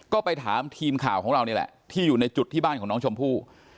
ก็ไปถามทีมข่าวของเรานี่แหละที่อยู่ในจุดที่บ้านของน้องชมพู่